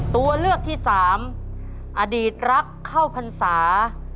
ตัวเลือกที่สามอดีตรักเข้าพรรษา